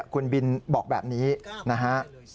คุณบินบอกแบบนี้นะฮะ